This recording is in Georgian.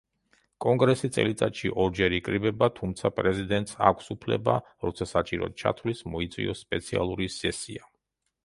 კონგრესი წელიწადში ორჯერ იკრიბება, თუმცა პრეზიდენტს აქვს უფლება, როცა საჭიროდ ჩათვლის, მოიწვიოს სპეციალური სესია.